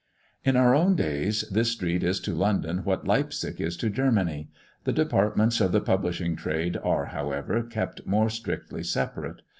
In our own days this street is to London what Leipzig is to Germany. The departments of the publishing trade are, however, kept more strictly separate.